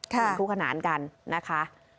คุกขนานกันนะคะ